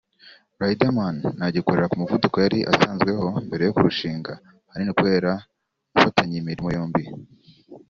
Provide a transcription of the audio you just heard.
Riderman ntagikorera ku muvuduko yari asanzweho mbere yo kurushinga ahanini kubera gufatanya iyi mirimo yombi